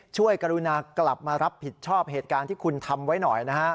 กรุณากลับมารับผิดชอบเหตุการณ์ที่คุณทำไว้หน่อยนะฮะ